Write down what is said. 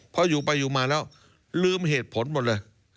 พออยู่ไปอยู่มาแล้วลืมเหตุผลหมดเลย